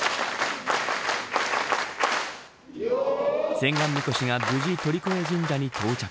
千貫神輿が無事、鳥越神社に到着。